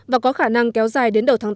và có khả năng kéo dài đến đầu tháng tám